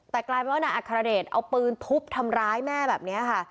แต่กลายเป็นว่านายอัครเดชเอาปืนทุบทำร้ายแม่แบบนี้ค่ะ